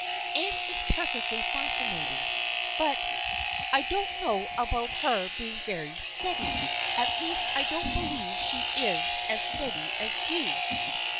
Anne is perfectly fascinating, but — I don't know about her being very steady. At least I don't believe she is as steady as you."